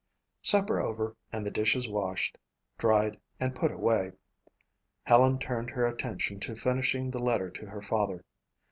Supper over and the dishes washed, dried and put away, Helen turned her attention to finishing the letter to her father.